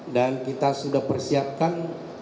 dan kita sudah persiapkan